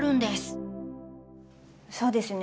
そうですよね